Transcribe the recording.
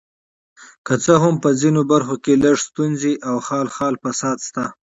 که څه هم په ځینو برخو کې لږې ستونزې او خال خال فساد شته.